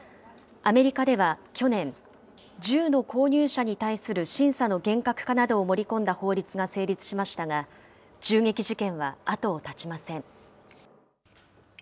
アメリカでは去年、銃の購入者に対する審査の厳格化などを盛り込んだ法律が成立しましたが、銃撃事件は後を絶ちません。